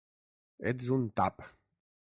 Ets un tap!